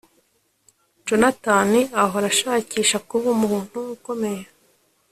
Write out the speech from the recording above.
Jonathan ahora ashakisha kuba umuntu ukomeye